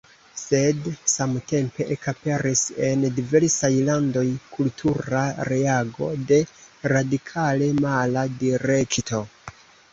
Sed samtempe ekaperis en diversaj landoj kultura reago de radikale mala direkto.